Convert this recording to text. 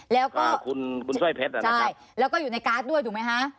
แล้วก็ใช่แล้วก็อยู่ในการ์ดด้วยถูกไหมฮะ